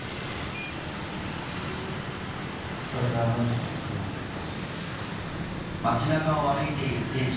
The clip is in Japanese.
それが何だか分かりませんか？